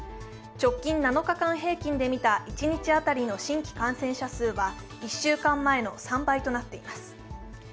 直近７日間平均で見た一日当たりの新規感染者数は１週間前の３倍となっています。